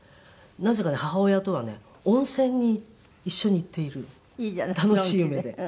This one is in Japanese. なぜかね母親とはね温泉に一緒に行っている楽しい夢で。